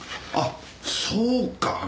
あっそうか。